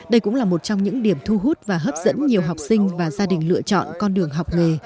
đây cũng là một trong những điểm thu hút và hấp dẫn nhiều học sinh và gia đình lựa chọn con đường học nghề